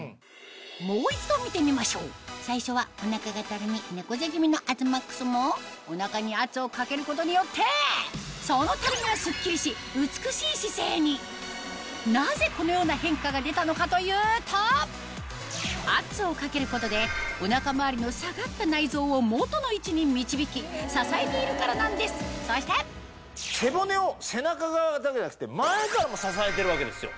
もう一度見てみましょう最初はお腹がたるみ猫背気味の東ＭＡＸもお腹に圧をかけることによってそのたるみはスッキリし美しい姿勢になぜこのような変化が出たのかというと圧をかけることでお腹周りのそして背骨を背中側だけじゃなくて前からも支えているわけですよ。